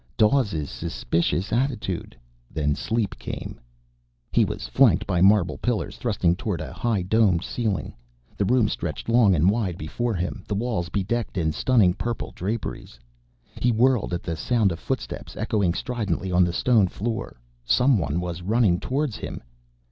Dawes' suspicious attitude ... Then sleep came. He was flanked by marble pillars, thrusting towards a high domed ceiling. The room stretched long and wide before him, the walls bedecked in stunning purple draperies. He whirled at the sound of footsteps, echoing stridently on the stone floor. Someone was running towards him.